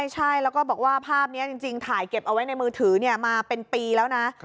ใช่แล้วก็บอกว่าภาพนี้จริงถ่ายเก็บเอาไว้ในมือถือมาเป็นปีแล้วนะ